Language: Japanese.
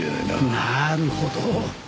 なるほど。